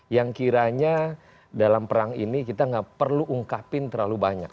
yang kiranya dalam perang ini kita nggak perlu ungkapin terlalu banyak